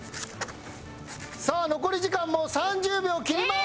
さあ残り時間もう３０秒切ります！